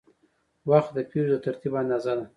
وخت د پېښو د ترتیب اندازه ده.